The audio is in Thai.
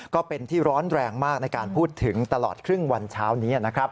ก็เป็นที่ร้อนแรงมากในการพูดถึงตลอดครึ่งวันเช้านี้นะครับ